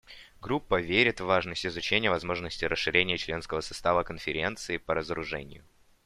Группа верит в важность изучения возможности расширения членского состава Конференции по разоружению.